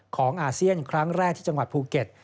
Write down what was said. อาเซียนครั้งแรกที่จังหวัดภูเก็ต